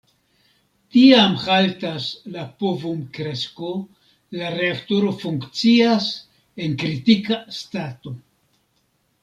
Tiam haltas la povum-kresko, la reaktoro funkcias en "kritika stato".